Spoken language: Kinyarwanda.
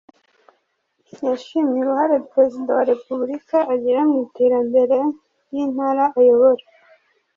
yashimye uruhare Perezida wa Repubulika agira mu iterambere ry’Intara ayobora